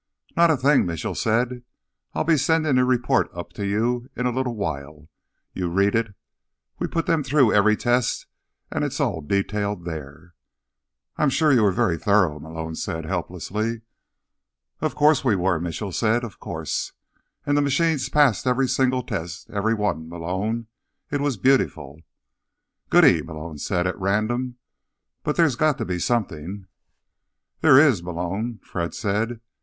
"Not a thing," Mitchell said. "I'll be sending a report up to you in a little while. You read it; we put them through every test, and it's all detailed there." "I'm sure you were very thorough," Malone said helplessly. "Of course we were," Mitchell said. "Of course. And the machines passed every single test. Every one. Malone, it was beautiful." "Goody," Malone said at random. "But there's got to be something—" "There is, Malone," Fred said.